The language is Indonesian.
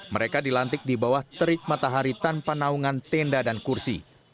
mereka dilantik di bawah terik matahari tanpa naungan tenda dan kursi